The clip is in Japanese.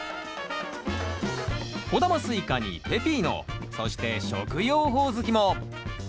小玉スイカにペピーノそして食用ホオズキも。